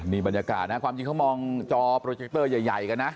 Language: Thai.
นี่บรรยากาศนะความจริงเขามองจอโปรเจคเตอร์ใหญ่กันนะ